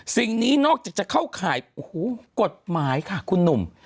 สิ่งนี้นอกจากจะเข้าข่ายกฎหมายค่ะคุณหนุ่ม